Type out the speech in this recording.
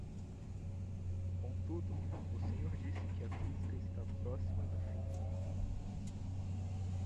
Contudo, o senhor disse que a física está “próxima do fim”